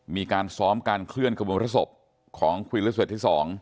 มีการซ้อมการเคลื่อนขบวนพระศพของควีนและเศษที่๒